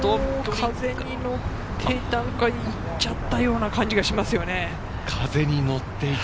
風に乗っていっちゃったような感じがしますね。